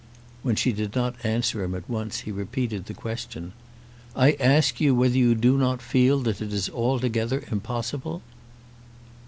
When she did not answer him at once, he repeated the question. "I ask you whether you do not feel that it is altogether impossible?"